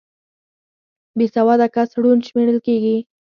بې سواده کس ړوند شمېرل کېږي